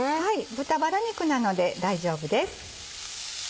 豚バラ肉なので大丈夫です。